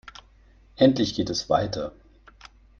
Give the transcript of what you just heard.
Endlich geht es weiter!